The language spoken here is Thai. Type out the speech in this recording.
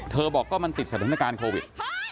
บอกก็มันติดสถานการณ์โควิด